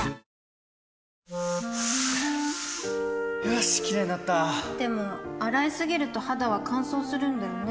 よしキレイになったでも、洗いすぎると肌は乾燥するんだよね